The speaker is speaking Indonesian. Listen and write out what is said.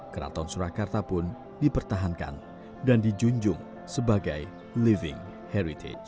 keraton surakarta pun dipertahankan dan dijunjung sebagai living heritage